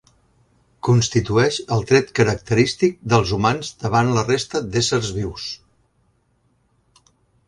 Constitueix el tret característic dels humans davant la resta d'éssers vius.